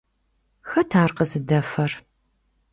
Хэт ар къызыдэфэр?